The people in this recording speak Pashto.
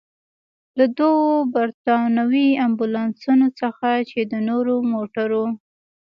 له دوو برتانوي امبولانسونو څخه، چې د نورو موټرو.